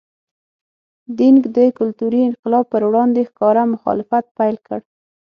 دینګ د کلتوري انقلاب پر وړاندې ښکاره مخالفت پیل کړ.